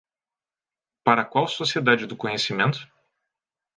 Para qual Sociedade do Conhecimento?